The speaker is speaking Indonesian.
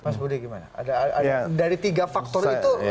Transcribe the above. mas budi gimana dari tiga faktor itu